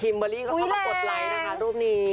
คิมเบอร์ลี่ก็กดไลต์เร็งรูปนี้